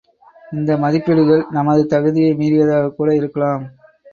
இந்த மதிப்பீடுகள் நமது தகுதியை மீறியதாகக் கூட இருக்கலாம்.